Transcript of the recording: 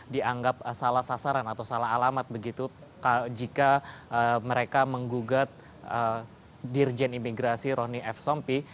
dianggap salah sasaran atau salah alamat begitu jika mereka menggugat dirjen imigrasi roni f sompi